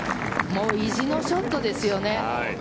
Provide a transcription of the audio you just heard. もう意地のショットですよね。